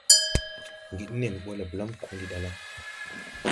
Ŋgid nen ɓɔ le blam ko ndi ɗa la.